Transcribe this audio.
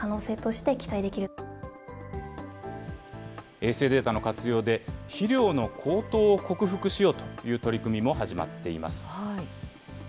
衛星データの活用で、肥料の高騰を克服しようという取り組みも始まっています。